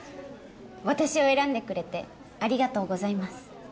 私を選んでくれてありがとうございます